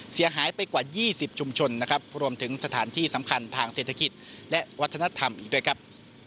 เสียหายไปกว่า๒๐ชุมชนนะครับรวมถึงสถานที่สำคัญทางเศรษฐกิจและวัฒนธรรมอีกด้วยครับ